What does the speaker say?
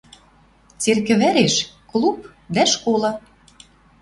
Церкӹ вӓреш — клуб дӓ школа